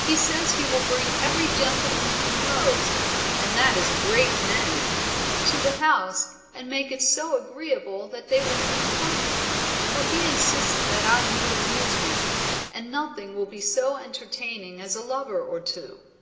He says he will bring every gentleman he knows (and that is a great many) to the house, and make it so agreeable that they will keep coming; for he insists that I need amusement, and nothing will be so entertaining as a lover or two.